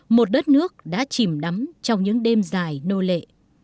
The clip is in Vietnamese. một đất nước đã chìm nắm trong những đêm dài nô lệ